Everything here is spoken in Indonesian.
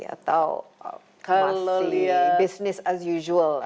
atau masih bisnis as usual